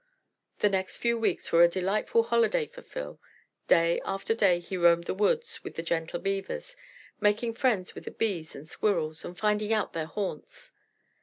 The next few weeks were a delightful holiday for Phil. Day after day he roamed the woods with the gentle Beavers, making friends with the Bees and Squirrels, and finding out their haunts.